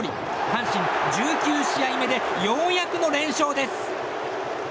阪神、１９試合目でようやくの連勝です。